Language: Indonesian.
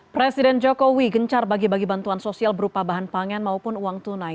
presiden jokowi gencar bagi bagi bantuan sosial berupa bahan pangan maupun uang tunai